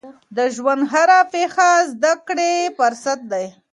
د ژوند هره پیښه زده کړې فرصت دی.